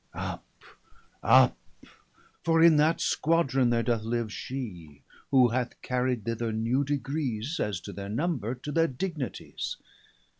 355 Up, up, for in that squadron there doth live She, who hath carried thither new degrees (As to their number) to their dignities.